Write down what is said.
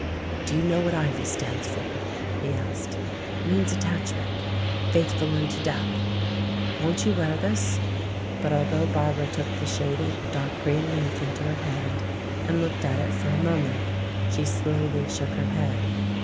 "Do you know what ivy stands for?" he asked. "It means attachment, faithful unto death. Won't you wear this?" But although Barbara took the shaded, dark green leaf into her hand and looked at it for a moment, she slowly shook her head.